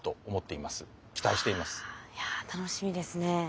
いや楽しみですね。